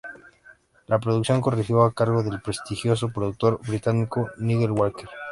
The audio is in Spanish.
La producción corrió a cargo del prestigioso productor británico Nigel Walker.